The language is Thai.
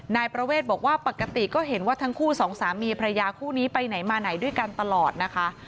นายประเวทบอกว่าปกติก็เห็นว่าทั้งคู่สองสามีพระยาคู่นี้ไปไหนมาไหนด้วยกันตลอดนะคะ